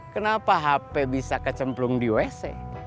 kenapa hp bisa kecemplung di usc